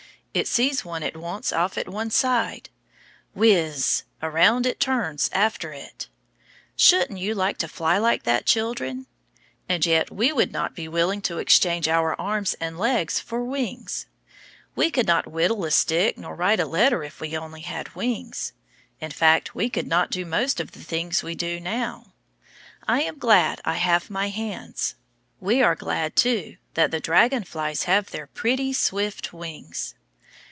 It sees one it wants off at one side whizz! around it turns after it. Shouldn't you like to fly like that, children? And yet we would not be willing to exchange our arms and hands for wings. We could not whittle a stick nor write a letter if we had only wings. In fact we could not do most of the things we now do. I am glad I have my hands. We are glad, too, that the dragon flies have their pretty, swift wings.